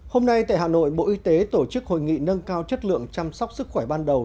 hôm nay tại hà nội bộ y tế tổ chức hội nghị nâng cao chất lượng chăm sóc sức khỏe ban đầu